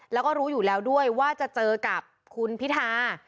แล้วก็รู้อยู่แล้วด้วยว่าจะเจอกับคุณพิธา